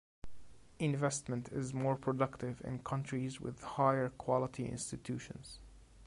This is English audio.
Investment is more productive in countries with higher quality institutions.